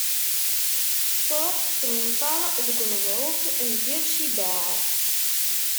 Tṛuḥ, tettmenṭar deg uneẓruf n Bir Cibaɛ.